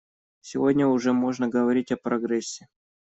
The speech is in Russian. Сегодня уже можно говорить о прогрессе.